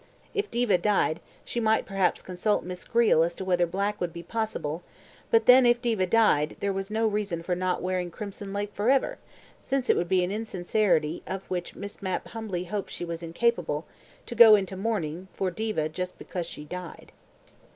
If Diva died, she might perhaps consult Miss Greele as to whether black would be possible, but then if Diva died, there was no reason for not wearing crimson lake for ever, since it would be an insincerity of which Miss Mapp humbly hoped she was incapable, to go into mourning for Diva just because she died.